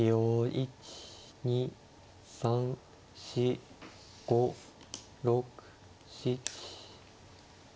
１２３４５６７。